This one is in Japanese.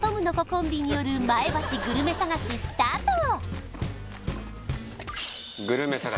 コンビによる前橋グルメ探しスタート！